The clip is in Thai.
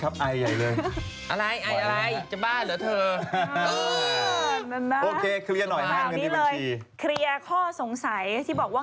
ครีเออข้อสงสัยที่บอกว่า